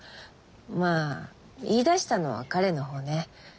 まあ言いだしたのは彼の方ね。